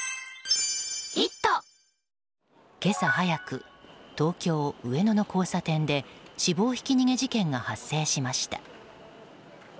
今朝早く東京・上野の交差点で死亡ひき逃げ事件が発生しました。